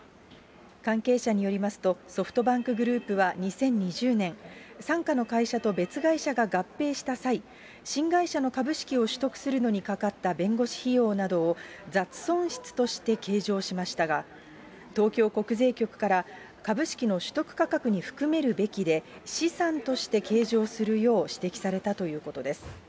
関係者によりますと、ソフトバンクグループは２０２０年、傘下の会社と別会社が合併した際、新会社の株式を取得するのにかかった弁護士費用などを、雑損失として計上しましたが、東京国税局から、株式の取得価格に含めるべきで、資産として計上するよう指摘されたということです。